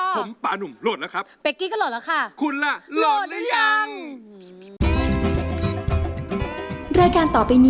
ผมปานุ่มโหลดแล้วครับ